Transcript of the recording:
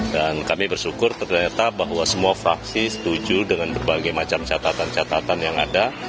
dan kami bersyukur ternyata bahwa semua fraksi setuju dengan berbagai macam catatan catatan yang ada